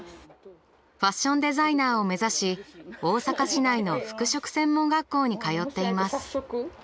ファッションデザイナーを目指し大阪市内の服飾専門学校に通っています。